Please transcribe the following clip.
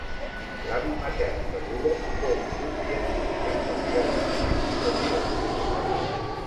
L'avi matern de Bullock fou un científic espacial alemany de Nuremberg.